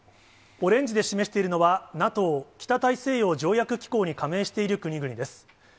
オレンジで示しているのは、ＮＡＴＯ・北大西洋条約機構に加盟している国々です。